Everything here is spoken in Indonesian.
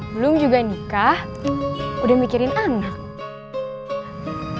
belum juga nikah udah mikirin anak